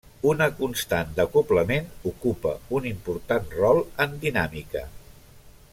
Una constant d'acoblament ocupa un important rol en dinàmica.